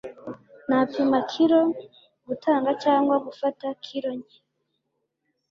Napima kilo , gutanga cyangwa gufata kilo nke.